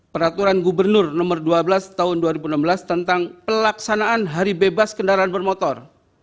peraturan gubernur nomor dua belas tahun dua ribu enam belas tentang pelaksanaan hari bebas kendaraan bermotor